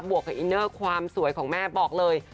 วกกับอินเนอร์ความสวยของแม่บอกเลย